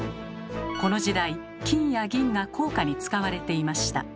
この時代金や銀が硬貨に使われていました。